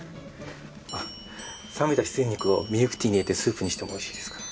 あっ冷めた羊肉をミルクティーに入れてスープにしてもおいしいですから。